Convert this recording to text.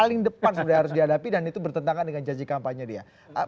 paling depan sebenarnya harus dihadapi dan itu bertentangan dengan janji kampanye dia